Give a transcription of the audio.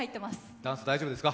ダンス、大丈夫ですか？